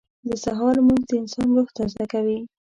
• د سهار لمونځ د انسان روح تازه کوي.